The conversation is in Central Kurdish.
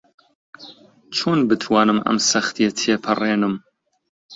چۆن بتوانم ئەم سەختییە تێپەڕێنم؟